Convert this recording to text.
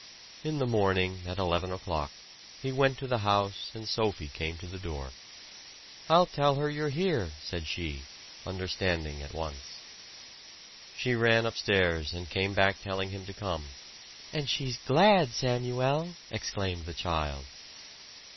In the morning, at eleven o'clock, he went to the house and Sophie came to the door. "I'll tell her you're here," said she, understanding at once. She ran upstairs, and came back telling him to come. "And she's glad, Samuel!" exclaimed the child.